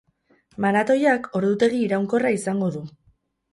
Maratoiak ordutegi iraunkorra izango du.